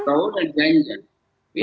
pak prabowo dan ganjar